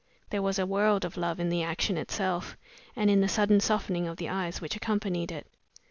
There was a world of love in the action itself, and in the sudden softening of the eyes which accompanied it.